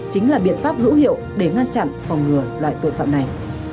chính là biện pháp hữu hiệu để ngăn chặn phòng ngừa loại tội phạm này